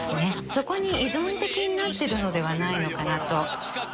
そこに依存的になってるのではないのかなと。